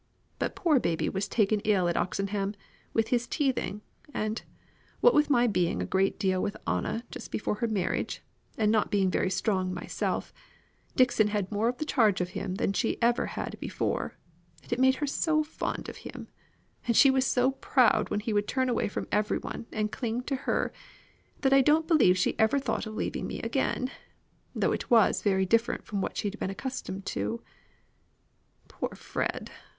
But poor baby was taken ill at Oxenham, with his teething; and, what with my being a great deal with Anna just before her marriage, and not being very strong myself, Dixon had more of the charge of him than she ever had before; and it made her so fond of him, and she was so proud when he would turn away from every one and cling to her, that I don't believe she ever thought of leaving me again; though it was very different from what she'd been accustomed to. Poor Fred!